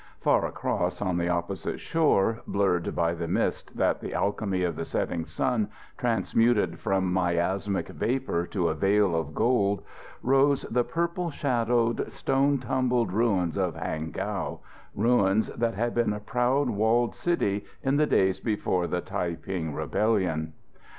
Far across on the opposite shore, blurred by the mist that the alchemy of the setting sun transmuted from miasmic vapour to a veil of gold, rose the purple shadowed, stone tumbled ruins of Hang Gow, ruins that had been a proud, walled city in the days before the Tai ping Rebellion.